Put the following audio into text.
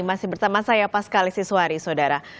masih bertama saya paskal isiswari saudara